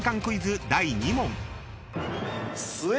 クイズ第２問］